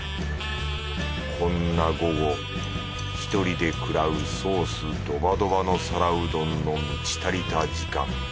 こんな午後１人で食らうソースドバドバの皿うどんの満ち足りた時間。